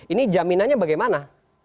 ini jaminannya bagaimana